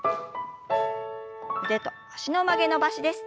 腕と脚の曲げ伸ばしです。